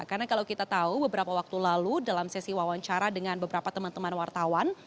karena kalau kita tahu beberapa waktu lalu dalam sesi wawancara dengan beberapa teman teman wartawan